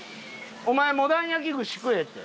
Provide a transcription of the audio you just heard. お前モダン焼き串食えって。